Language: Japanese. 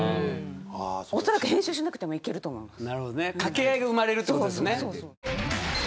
おそらく編集しなくてもいけると思います。